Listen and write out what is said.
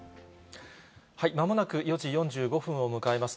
まもなく４時４５分を迎えます。